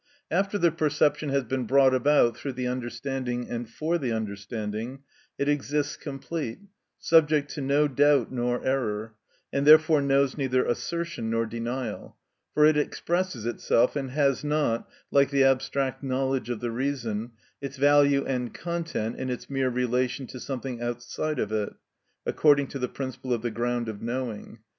After the perception has been brought about through the understanding and for the understanding, it exists complete, subject to no doubt nor error, and therefore knows neither assertion nor denial; for it expresses itself, and has not, like the abstract knowledge of the reason, its value and content in its mere relation to something outside of it, according to the principle of the ground of knowing.